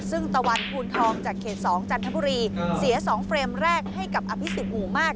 ซึ่งตะวันภูนทองจากเขต๒จันทบุรีเสีย๒เฟรมแรกให้กับอภิษฎหมู่มาก